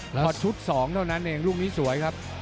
พอชุด๒เท่านั้นเองลูกนี้สวยครับ